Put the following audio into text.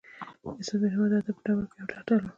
استاد بینوا د ادب په ډګر کې یو اتل و.